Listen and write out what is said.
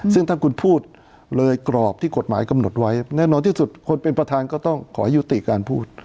ซึ่งถ้าคุณพูดเลยกรอบที่กฎหมายกำหนดไว้แน่นอนที่สุดคนเป็นประธานก็ต้องขอให้ยุติการพูด